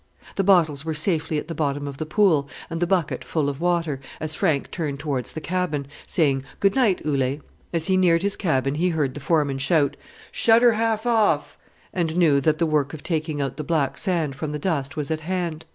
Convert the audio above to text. The bottles were safely at the bottom of the pool, and the bucket full of water, as Frank turned towards the cabin, saying, "Good night, Ole." As he neared his cabin he heard the foreman shout, "Shut her half off"; and knew that the work of taking out the black sand from the dust was at hand.